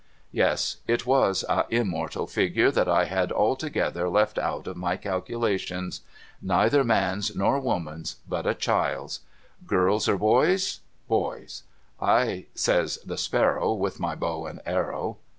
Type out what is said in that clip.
Yes. It was a immortal figure that I had altogether left out of my calculations. Neither man's, nor woman's, hut a child's, (iirl's or boy's? Boy's. ' I, says the sparrow, with my bow and arrow.'